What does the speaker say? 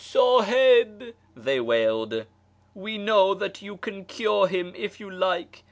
" Sahib,' they wailed, " we know that you can cure him if you like.